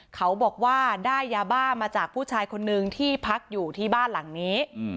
เขาบอกว่าได้ยาบ้ามาจากผู้ชายคนนึงที่พักอยู่ที่บ้านหลังนี้